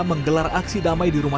menggelar aksi damai di rumah